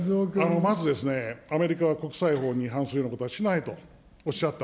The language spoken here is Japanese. まずですね、アメリカが国際法に違反するようなことはしないとおっしゃった。